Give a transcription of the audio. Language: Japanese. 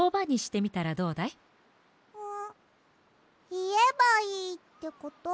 いえばいいってこと？